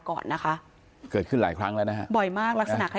พระเจ้าที่อยู่ในเมืองของพระเจ้า